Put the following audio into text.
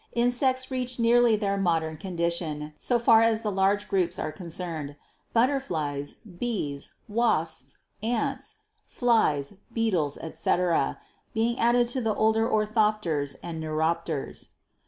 Insects reached nearly their modern condition so far as the large groups are concerned, butterflies, bees, wasps, ants, flies, beetles, etc., being added to the older orthopters and neuropters.